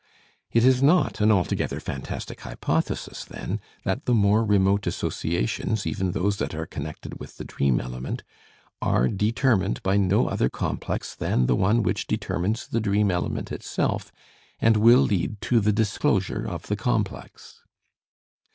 It is not an altogether fantastic hypothesis, then, that the more remote associations, even those that are connected with the dream element, are determined by no other complex than the one which determines the dream element itself, and will lead to the disclosure of the complex.